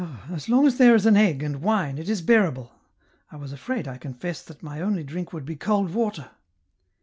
" Ah, as long as there is an egg and wine it is bearable. I was afraid, I confess, that my only drink would be cold water."